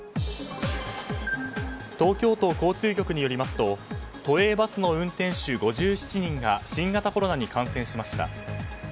東京都交通局によりますと都営バスの運転手５７人が新型コロナに感染しました。